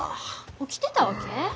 起きてたわけ？